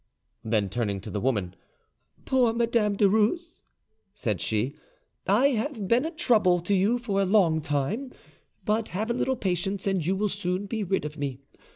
Then turning to the woman, "Poor Madame du Rus," said she, "I have been a trouble to you for a long time; but have a little patience, and you will soon be rid of me.